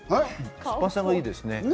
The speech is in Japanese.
酸っぱさがいいですね。